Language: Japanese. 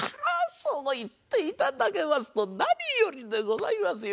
そう言っていただけますと何よりでございますよ。